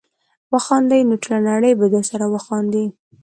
که وخاندې نو ټوله نړۍ به درسره وخاندي.